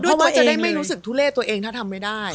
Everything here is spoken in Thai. เพราะว่าจะได้ไม่รู้สึกทุเล่ตัวเองถ้าทำไม่ได้